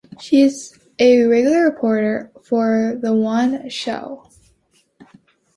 She is a regular reporter for "The One Show".